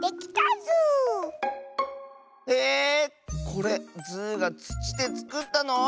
これズーがつちでつくったの？